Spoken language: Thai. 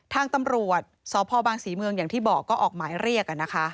ทางตำรวจสพบางศรีเมืองอย่างที่บอกก็ออกหมายเรียก